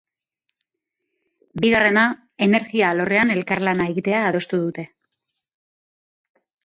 Bigarrena, energia alorrean elkarlana egitea adostu dute.